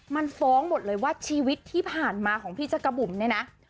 มันฟ้องหมดเลยว่าชีวิตที่ผ่านมาของพี่จักรบุ๋มเนี่ยนะ